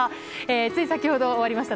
つい先ほど終わりました